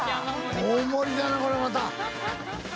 大盛りだなこれまた。